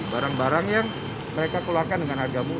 barang barang yang mereka keluarkan dengan harga murah